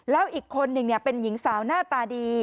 แล้วอีกคนหนึ่งเป็นหญิงสาวหน้าตาดี